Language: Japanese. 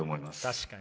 確かに。